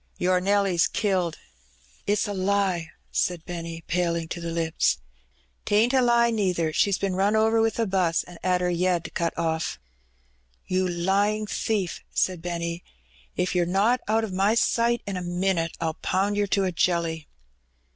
^'Your NelVs killed r^ '^ It^s a lie !'' said Benny, paling to the lips. '^ 'T ain't a he, neither ; she's been run over with a 'bus, an' 'ad her yed cut off." "You lying thief !". said Benny. "If yer not out o' my sight in a minit I'll pound yer to a jelly."